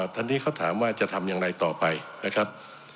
ตอนนี้เขาถามว่าจะทำอย่างไรต่อไปนะครับ